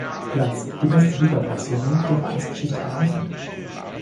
Platz die beste Ligaplatzierung der Vereinsgeschichte erreichen.